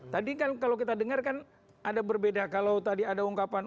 tadi kan kalau kita dengar kan ada berbeda kalau tadi ada ungkapan